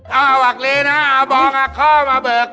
อ้าวอาวักลีนะอ้าวบองอ่ะคอมอ่ะเบิก